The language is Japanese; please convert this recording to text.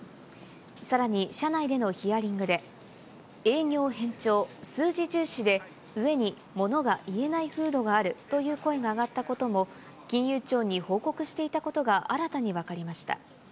さらに社内でのヒアリングで、営業偏重、数字重視で、上にものが言えない風土があるという声が上がったことも、金融庁に報告していたことが新たに分かりました。